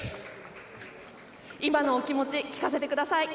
今のお気持ち聞かせてください？